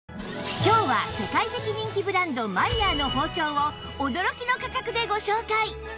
今日は世界的人気ブランドマイヤーの包丁を驚きの価格でご紹介！